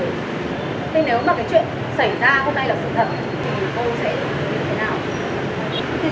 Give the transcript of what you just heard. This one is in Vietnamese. nên nếu mà cái chuyện xảy ra hôm nay là sự thật